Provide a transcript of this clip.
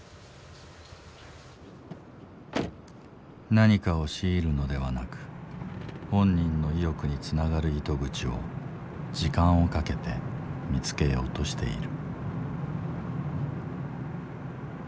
何かを強いるのではなく本人の意欲につながる糸口を時間をかけて見つけようとしている。